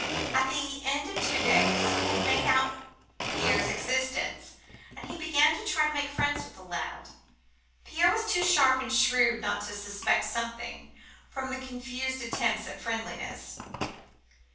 At the end of two days, he had made out Pierre's existence; and he began to try to make friends with the lad. Pierre was too sharp and shrewd not to suspect something from the confused attempts at friendliness.